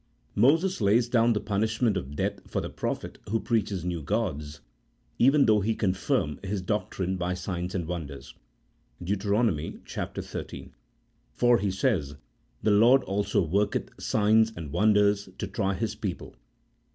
Moses lays down the punishment of death for the prophet who preaches new gods, even though he confirm his doctrine by signs and wonders (Deut. xiii.) ;" For," he says, " the Lord also worketh signs and wonders to try His people."